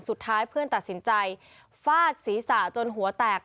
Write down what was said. สุดท้ายเพื่อนตัดสินใจฟาดศีรษะจนหัวแตก